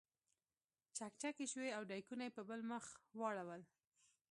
چکچکې شوې او دیګونه یې په بل مخ واړول.